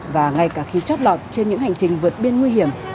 và ngay cả khi chót lọt trên những hành trình vượt biên nguy hiểm